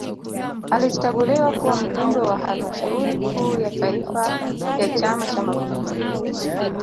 Alichaguliwa kuwa Mjumbe wa Halmashauri Kuu ya Taifa ya Chama cha Mapinduzi